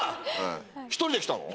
１人で来たの？